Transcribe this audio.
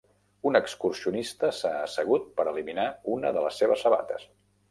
Un excursionista s'ha assegut per eliminar una de les seves sabates.